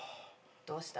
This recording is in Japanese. どうした？